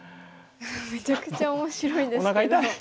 めちゃくちゃ面白いですけど。